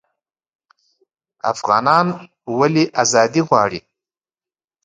افغانان ولې ازادي غواړي؟